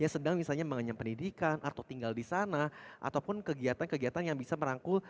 sedang misalnya mengenyam pendidikan atau tinggal di sana ataupun kegiatan kegiatan yang bisa merangkul